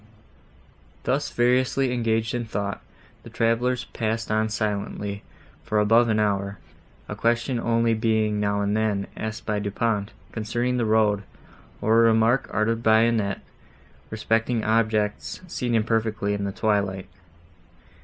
Thus variously engaged in thought, the travellers passed on silently, for above an hour, a question only being, now and then, asked by Du Pont, concerning the road, or a remark uttered by Annette, respecting objects, seen imperfectly in the twilight.